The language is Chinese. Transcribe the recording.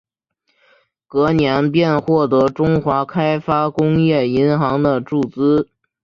隔年便获得中华开发工业银行的注资。